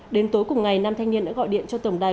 đến tối cùng ngày nam thanh niên đã gọi điện cho tổng đài